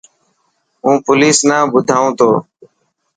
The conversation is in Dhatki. هون پوليس نا ٻڌائون تو.